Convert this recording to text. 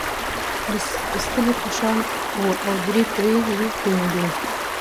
د ستنې په شان وه او درې پرې یي لرلې.